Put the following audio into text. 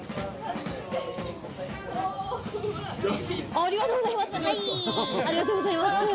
ありがとうございます。